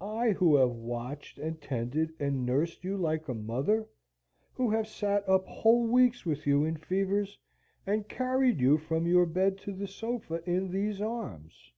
I, who have watched, and tended, and nursed you, like a mother; who have sate up whole weeks with you in fevers, and carried you from your bed to the sofa in these arms.